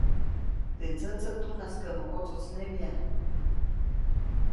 Teʼ ndsätsä tunaskäʼmä wotsojtsnebya.